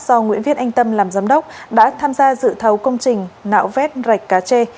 do nguyễn viết anh tâm làm giám đốc đã tham gia dự thầu công trình nạo vét rạch cá chê